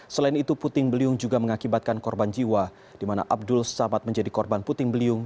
selain itu puting beliung juga mengakibatkan korban jiwa di mana abdul samad menjadi korban puting beliung